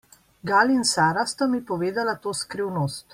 Gal in Sara sta mi povedala to skrivnost.